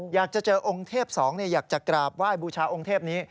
อยากจะเจอองค์เทพสองอยากจะกราบไหว้บูชาองค์เทพนี้